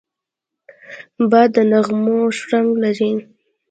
باد د نغمو شرنګ لري